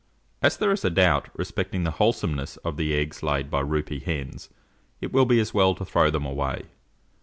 As there is a doubt respecting the wholesomeness of the eggs laid by roupy hens, it will be as well to throw them away.